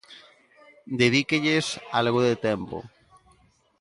Dedíquelles algo de tempo.